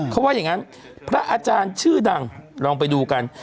เขาว่าอย่างนั้นพระอาจารย์ชื่อดังลองไปดูกัน